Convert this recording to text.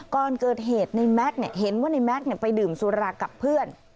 ก่อนเกิดเหตุในแม็กซ์เห็นว่าในแม็กซ์ไปดื่มสุรากับเพื่อน